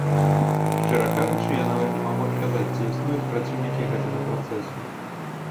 Шчыра кажучы, я нават не магу адказаць, ці існуюць праціўнікі гэтага працэсу.